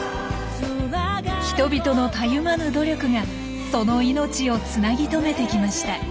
人々のたゆまぬ努力がその命をつなぎとめてきました。